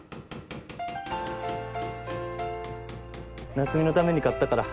夏海のために買ったから。